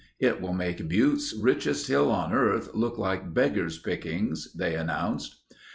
"It will make Butte's 'Richest Hill on Earth' look like beggars' pickings," they announced.